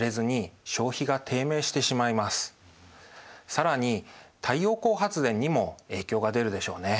更に太陽光発電にも影響が出るでしょうね。